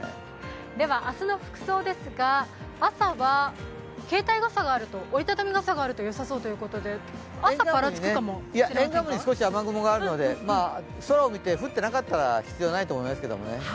明日の服装ですが朝は携帯傘、折りたたみ傘があるとよさそうということで沿岸部に少し雨雲があるので空を見て降ってなかったら必要ないと思いますけどね。